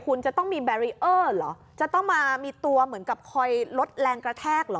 คุณจะต้องมีแบรีเออร์เหรอจะต้องมามีตัวเหมือนกับคอยลดแรงกระแทกเหรอ